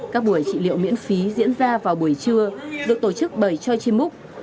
các buổi trị liệu miễn phí diễn ra vào buổi trưa được tổ chức bởi choi chi mook